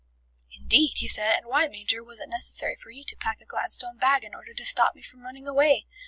"Indeed!" he said. "And why, Major, was it necessary for you to pack a Gladstone bag in order to stop me from running away?